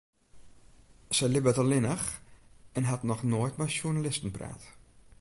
Sy libbet allinnich en hat noch noait mei sjoernalisten praat.